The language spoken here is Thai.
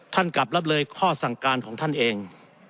กลับรับเลยข้อสั่งการของท่านเอง